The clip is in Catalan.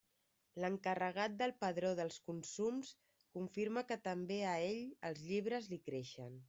L'encarregat del padró dels consums confirma que també a ell els llibres li creixen.